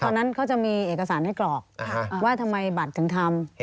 ตอนนั้นเขาจะมีเอกสารให้กรอกว่าทำไมบัตรถึงทำ